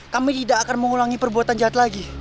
kami tidak akan mengulangi perbuatan jahat lagi